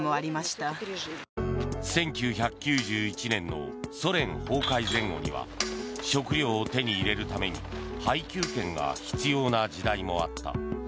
１９９１年のソ連崩壊前後には食料を手に入れるために配給券が必要な時代もあった。